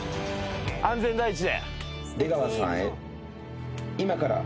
安全第一で。